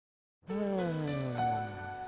うん。